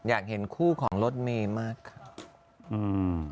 อยากเห็นคู่ของรถเมย์มากค่ะอืม